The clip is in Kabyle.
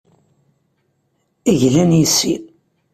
Glan yes-i.